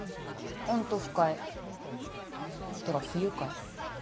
ホント不快てか不愉快。